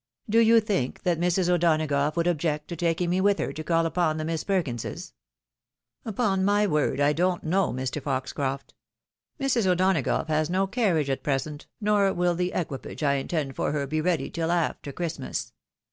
Do you think that Mrs. O'Donagoughwould object to taking me with her to call upon the Miss Perkinses ?"" Upon my word, I don't know, Mr. Foxcroft. Mrs. O'Donagough has no carriage at present, nor will the equipage I intend for her be ready till after Christmas.